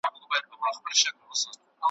د هرات لرغونی ښار `